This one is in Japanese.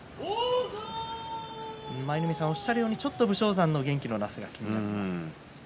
舞の海さんがおっしゃるように武将山の元気のなさがちょっと気になります。